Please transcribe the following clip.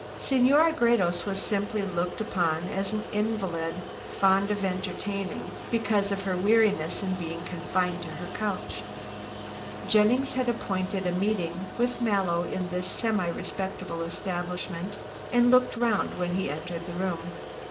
Senora Gredos was simply looked upon as an invalid fond of entertaining because of her weariness in being confined to her couch. Jennings had appointed a meeting with Mallow in this semi respectable establishment, and looked round when he entered the room.